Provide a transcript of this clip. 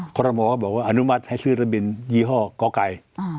ขอรมอบอกว่าอนุมัติให้ซื้อรถบินยี่ห้อกไก่